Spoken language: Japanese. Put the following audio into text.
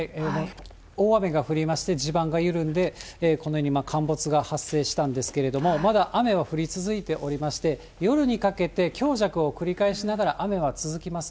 大雨が降りまして、地盤が緩んで、このように陥没が発生したんですけれども、まだ雨は降り続いておりまして、夜にかけて強弱を繰り返しながら、雨は続きます。